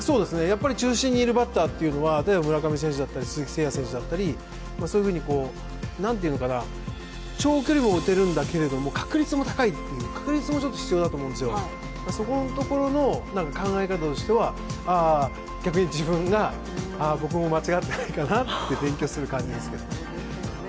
中心にいるバッターというのは例えば村上選手だったり、鈴木誠也選手だったり、そういうふうに、長距離も打てるんだけれども確率も高いという、確率も必要だと思うんですよ、そこのところの考え方としては逆に自分が僕も間違ってないかなと勉強する感じですけど。